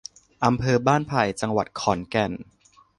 อำเภอบ้านไผ่ จังหวัดขอนแก่น